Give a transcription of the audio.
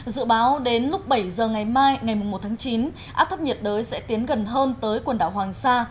dự báo đến lúc bảy giờ ngày mai ngày một tháng chín áp thấp nhiệt đới sẽ tiến gần hơn tới quần đảo hoàng sa